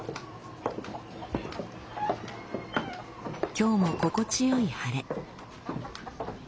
今日も心地よい晴れ。